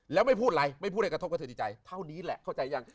แล้วไม่พูดอะไรไม่พูดให้กระทบกับเธอดีใจเท่านี้แหละเข้าใจยัง